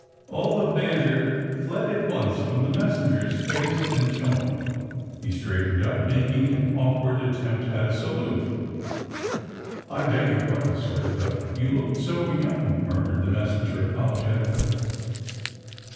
All the banter fled at once from the messen ger 's face and tone. He straightened up, mak ing an awkward attempt at a salute. *^I beg your pardon, sir, but you looked so young," murmured the messenger apologetic ally.